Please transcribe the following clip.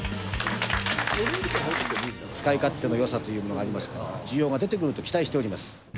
使い勝手のよさというものがありますから、需要が出てくると期待しております。